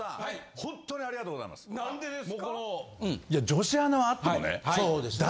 女子アナはあってもね。